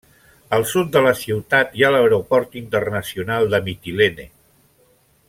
Al sud de la ciutat, hi ha l'aeroport internacional de Mitilene.